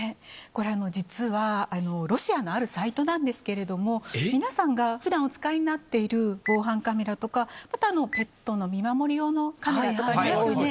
これ、実は、ロシアのあるサイトなんですけれども、皆さんがふだんお使いになっている防犯カメラとか、またペットの見守り用のカメラとかありますよね。